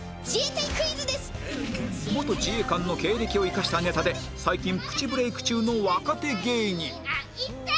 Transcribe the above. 元自衛官の経歴を生かしたネタで最近プチブレイク中の若手芸人